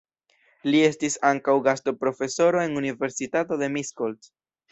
Li estis ankaŭ gastoprofesoro en Universitato de Miskolc.